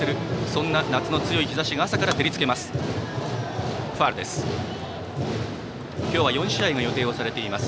そんな夏の強い日ざしが朝から照り付けます。